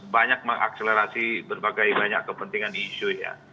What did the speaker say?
banyak mengakselerasi berbagai banyak kepentingan isu ya